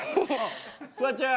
フワちゃん。